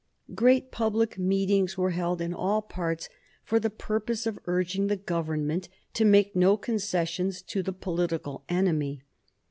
Great public meetings were held in all parts for the purpose of urging the Government to make no concessions to the political enemy.